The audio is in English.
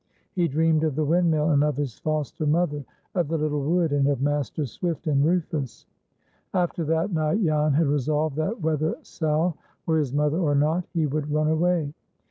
He dreamed of the windmill, and of his foster mother; of the little wood, and of Master Swift and Rufus. After that night Jan had resolved that, whether Sal were his mother or not, he would run away.